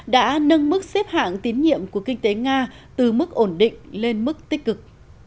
đã nâng mức xếp hạng tín nhiệm của kinh tế nga từ mức ổn định lên mức tích cực